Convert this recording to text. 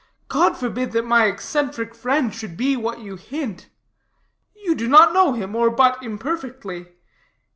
God forbid that my eccentric friend should be what you hint. You do not know him, or but imperfectly.